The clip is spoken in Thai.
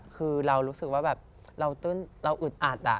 คือเรารู้สึกว่าแบบเราอึดอัด